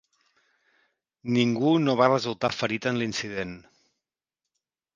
Ningú no va resultar ferit en l'incident.